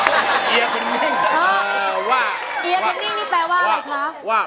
ไม่ใช้